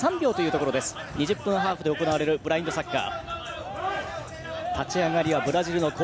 ２０分ハーフで行われるブラインドサッカー。